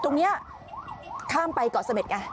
ตรงนี้ข้ามไปเกาะเสม็ดไง